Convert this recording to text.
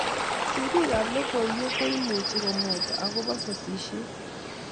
Sirik ab logoiywek ko imuchi komwaita akoba sasishet